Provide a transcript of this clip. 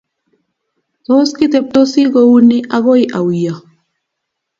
Tos kiteptosi kou ni akoy auyo?